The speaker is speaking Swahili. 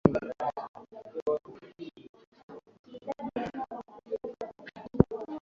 Tezi ini na kongosho kuvimba